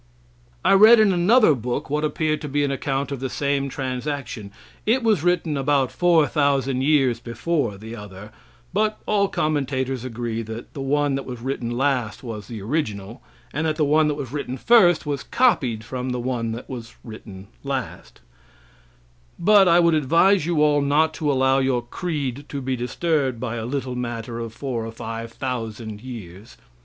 I read in another book what appeared to be an account of the same transaction. It was written about 4,000 years before the other; but all commentators agree that the one that was written last was the original, and that the one that was written first was copied from the one that was written last; but I would advise you all not to allow your creed to be disturbed by a little matter of four or five thousand years.